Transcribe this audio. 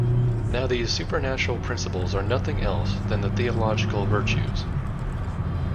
Now these supernatural principles are nothing else than the theological virtues.